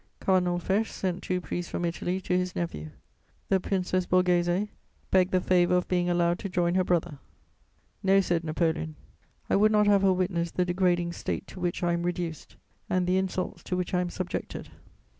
Cardinal Fesch sent two priests from Italy to his nephew. The Princess Borghese begged the favour of being allowed to join her brother: "No," said Napoleon, "I would not have her witness the degrading state to which I am reduced and the insults to which I am subjected."